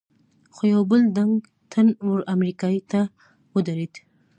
خو یو بل ډنګ، تن ور امریکایي سر ته ودرېد.